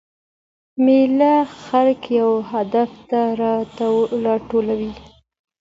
مېلې خلک یو هدف ته راټولوي.